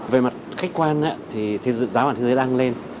về mặt khách quan thì giá vàng thế giới đang lên